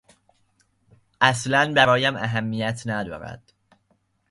اصلا برایم اهمیت ندارد.